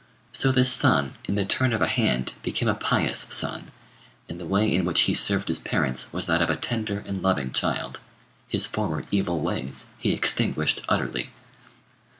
So this son in the turn of a hand became a pious son, and the way in which he served his parents was that of a tender and loving child. His former evil ways he extinguished utterly.